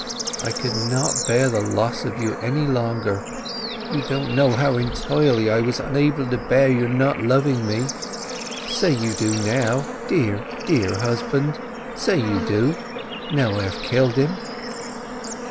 I could not bear the loss of you any longer—you don't know how entirely I was unable to bear your not loving me! Say you do now, dear, dear husband; say you do, now I have killed him!"